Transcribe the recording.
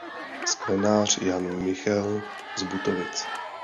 sklenář Jan Michel z Butovic